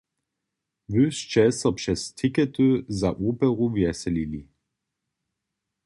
Wy sće so přez tikety za operu wjeselili.